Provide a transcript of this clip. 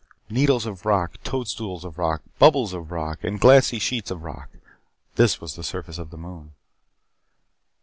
Needles of rock, toadstools of rock, bubbles of rock, and glassy sheets of rock this was the surface of the moon.